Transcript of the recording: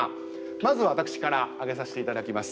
まず私から挙げさせて頂きます。